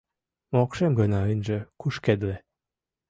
Мокшем гына ынже кушкедле...